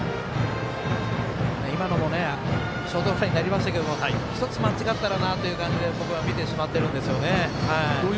今のもショートフライになりましたけど１つ間違ったらなという感じで僕は見てしまってるんですよね。